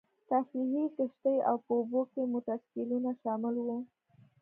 تفریحي کښتۍ او په اوبو کې موټرسایکلونه شامل وو.